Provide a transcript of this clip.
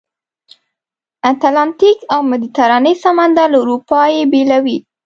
اتلانتیک او مدیترانې سمندر له اروپا یې بېلوي.